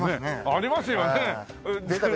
ありますよね！